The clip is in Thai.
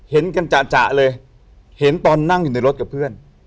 เห็นกันจ่ะเลยเห็นตอนนั่งอยู่ในรถกับเพื่อน